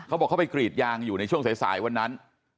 เขาบอกเขาไปกรีดยางอยู่ในช่วงสายวันนั้น